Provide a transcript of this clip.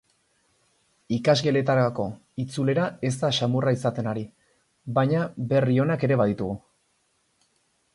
Ikasgeletarako itzulera ez da samurra izaten ari, baina berri onak ere baditugu.